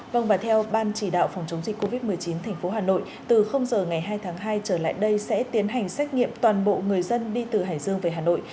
vâng và theo ban chỉ đạo phòng chống dịch covid một mươi chín tp hà nội từ giờ ngày hai tháng hai trở lại đây sẽ tiến hành xét nghiệm toàn bộ người dân đi từ hải dương về hà nội